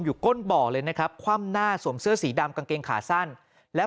ก้นบ่อเลยนะครับคว่ำหน้าสวมเสื้อสีดำกางเกงขาสั้นแล้ว